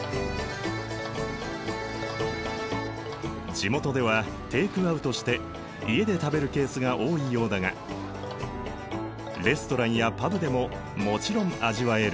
地元ではテイクアウトして家で食べるケースが多いようだがレストランやパブでももちろん味わえる。